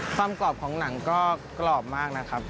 กรอบของหนังก็กรอบมากนะครับ